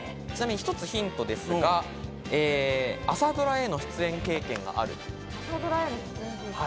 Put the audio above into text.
一つヒントですが、朝ドラへの出演経験がある。